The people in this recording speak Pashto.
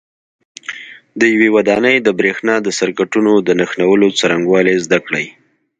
د یوې ودانۍ د برېښنا د سرکټونو د نښلولو څرنګوالي زده کړئ.